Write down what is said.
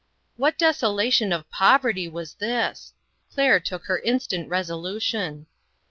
What desolation of poverty was this ! Claire took her instant resolution.